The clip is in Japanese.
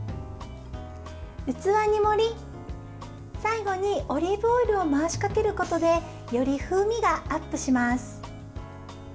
器に盛り最後にオリーブオイルを回しかけることでより風味がアップします。